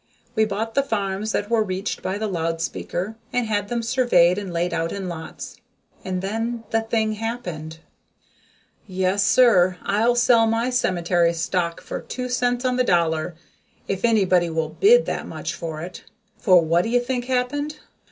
We bought the farms that were reached by the loud speaker and had them surveyed and laid out in lots and then the thing happened! Yes, sir, I'll sell my cemetery stock for two cents on the dollar, if anybody will bid that much for it. For what do you think happened?